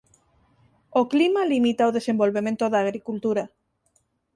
O clima limita o desenvolvemento da agricultura.